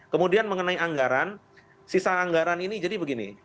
kemudian mengenai anggaran sisa anggaran ini jadi begini